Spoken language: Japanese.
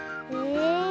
え？